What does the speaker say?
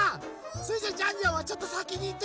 それじゃジャンジャンはちょっとさきにいってくるね！